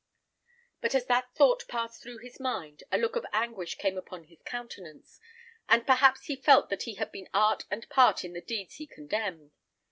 But as that thought passed through his mind, a look of anguish came upon his countenance, and perhaps he felt that he had been art and part in the deeds he condemned.